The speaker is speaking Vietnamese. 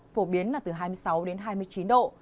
phổ biến là từ hai mươi sáu đến hai mươi chín độ